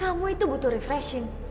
kamu itu butuh refreshing